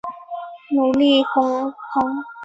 努伊隆蓬。